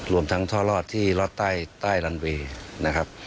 รวมทั้งท่อลอดที่รอดใต้รันเวย์นะครับ